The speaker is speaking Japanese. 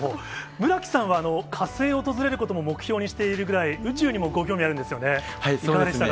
村木さんは火星を訪れることも目標にしているくらい、宇宙にもごはい、そうですね。